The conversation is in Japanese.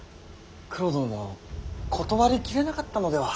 九郎殿も断り切れなかったのでは。